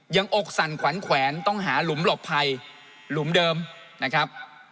อกสั่นขวัญแขวนต้องหาหลุมหลบภัยหลุมเดิมนะครับ